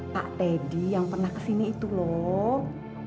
pak teddy yang pernah kesini itu loh